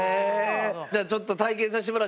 じゃあちょっと体験さしてもらっていい？